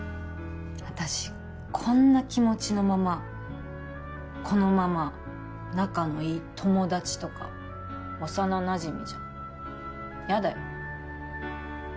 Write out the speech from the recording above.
私こんな気持ちのままこのまま仲のいい友達とか幼なじみじゃやだよ